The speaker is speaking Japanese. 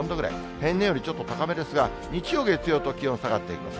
平年よりちょっと高めですが、日曜、月曜と気温下がっていきます。